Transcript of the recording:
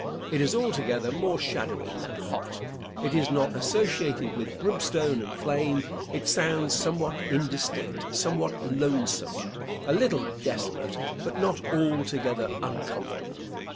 It is altogether more shadowy than hot. It is not associated with brimstone and flame. It sounds somewhat indistinct, somewhat lonesome, a little desolate, but not altogether uncomfortable.